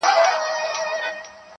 هر یو مکر یې جلاوو آزمېیلی -